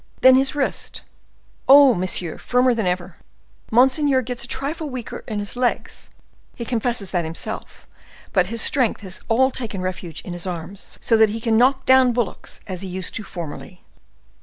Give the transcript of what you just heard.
"Then his wrist—" "Oh, monsieur, firmer than ever. Monseigneur gets a trifle weaker in his legs,—he confesses that himself; but his strength has all taken refuge in his arms, so that—" "So that he can knock down bullocks, as he used to formerly."